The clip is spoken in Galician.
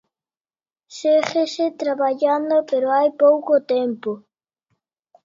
Séguese traballando pero hai pouco tempo.